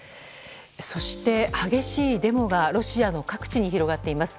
そして、激しいデモがロシアの各地に広がっています。